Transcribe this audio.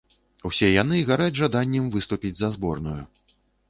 Усе яны гараць жаданнем выступіць за зборную.